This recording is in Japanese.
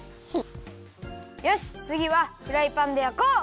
よしつぎはフライパンでやこう！